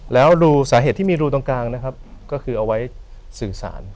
แล้วรูสาเหตุที่มีรูตรงกลางนะครับก็คือเอาไว้สื่อสาร